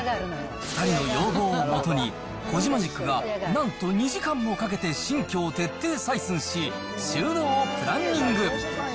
２人の要望をもとに、コジマジックが、なんと２時間もかけて新居を徹底採寸し、収納をプランニング。